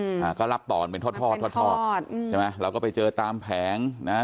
อืมอ่าก็รับตอนเป็นทอดทอดทอดทอดใช่ไหมเราก็ไปเจอตามแผงนะฮะ